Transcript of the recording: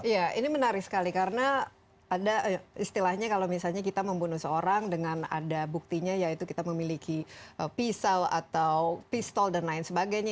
ya ini menarik sekali karena ada istilahnya kalau misalnya kita membunuh seorang dengan ada buktinya yaitu kita memiliki pisau atau pistol dan lain sebagainya